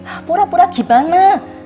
hah pura pura gimana